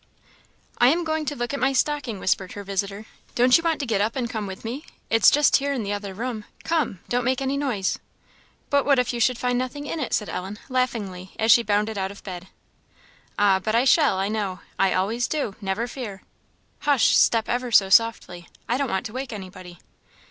"I am going to look at my stocking," whispered her visitor; "don't you want to get up and come with me? it's just here in the other room; come! don't make any noise." "But what if you should find nothing in it?" said Ellen, laughingly, as she bounded out of bed. "Ah, but I shall, I know; I always do never fear. Hush! step ever so softly I don't want to wake anybody."